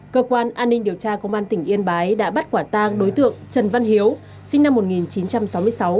cơ quan an ninh điều tra công an tỉnh yên bái đã bắt quả tang đối tượng trần văn hiếu sinh năm một nghìn chín trăm sáu mươi sáu